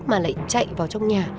mà lại chạy vào trong nhà